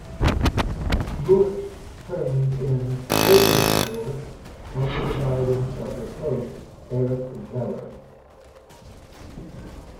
Lurz trained in Oberstdorf under the guidance of her coach, Erich Zeller.